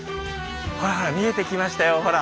ほらほら見えてきましたよほら。